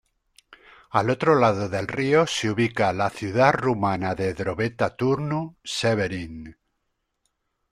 Al otro lado del río se ubica la ciudad rumana de Drobeta-Turnu Severin.